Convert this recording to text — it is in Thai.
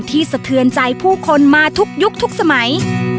สะเทือนใจผู้คนมาทุกยุคทุกสมัย